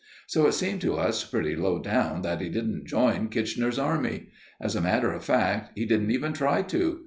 So it seemed to us pretty low down that he didn't join Kitchener's Army. As a matter of fact, he didn't even try to.